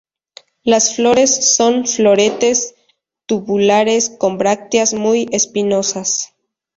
Las flores son floretes tubulares con brácteas muy espinosas.